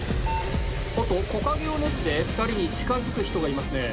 おっと木陰を縫って２人に近づく人がいますね。